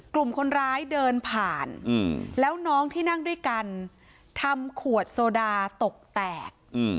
กลุ่มคนร้ายเดินผ่านแล้วน้องที่นั่งด้วยกันทำขวดโซดาตกแตก